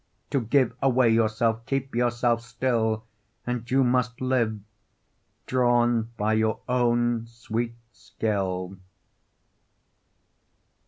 To give away yourself, keeps yourself still, And you must live, drawn by your own sweet skill.